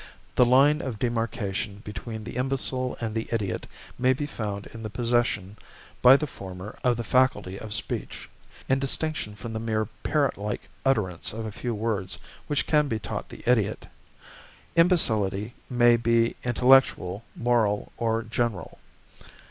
The line of demarcation between the imbecile and the idiot may be found in the possession by the former of the faculty of speech, in distinction from the mere parrot like utterance of a few words which can be taught the idiot. Imbecility may be intellectual, moral, or general.